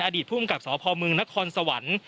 อดีตภูมิกับสพมนครสวรรค์